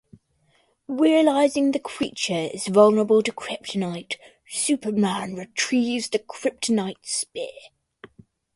Realizing that the creature is vulnerable to kryptonite, Superman retrieves the kryptonite spear.